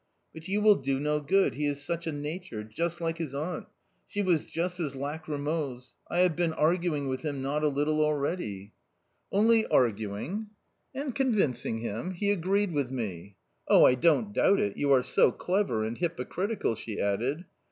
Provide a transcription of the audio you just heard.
" But you will do no good ; he is such a nature — just like his aunt ; she was just as lacrymose ; I have been arguing with him not a little already." ■v A COMMON STORY 143 " Only arguing ?"" And convincing him ; he agreed with me." "Oh, I don't doubt it; you are so clever — and hypocriti cal !" she added.